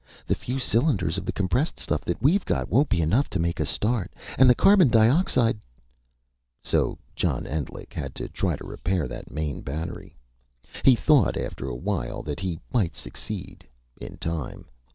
The few cylinders of the compressed stuff that we've got won't be enough to make a start. And the carbon dioxide...." So John Endlich had to try to repair that main battery. He thought, after a while, that he might succeed in time.